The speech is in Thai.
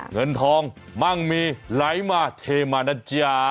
เงินทองมั่งมีไหลมาเทมานะจ๊ะ